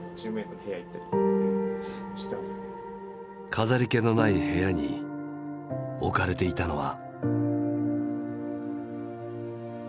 飾り気のない部屋に置かれていたのは。